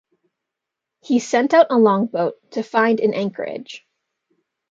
He sent out a longboat to find an anchorage.